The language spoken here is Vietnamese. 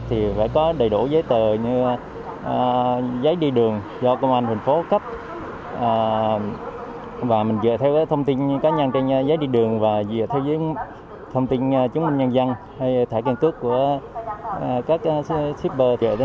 thì phải có đầy đủ giấy tờ như giấy đi đường do công an thành phố cấp